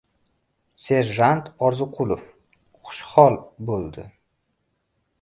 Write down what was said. Serjant Orziqulov xushhol bo‘ldi.